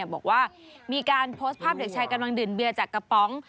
บอกว่ามีการโพสต์ภาพเด็กชายกำลังดื่มเบียร์จากกระป๋อง